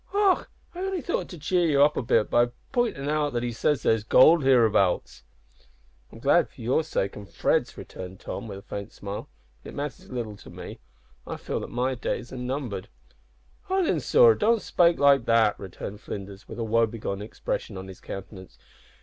"Och! I only thought to cheer you up a bit by p'intin' out that he says there's goold hereabouts." "I'm glad for your sake and Fred's," returned Tom, with a faint smile, "but it matters little to me; I feel that my days are numbered." "Ah then, sor, don't spake like that," returned Flinders, with a woebegone expression on his countenance.